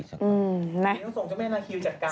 ไม่ต้องส่งเจ้าแม่นาคีอยู่จัดการ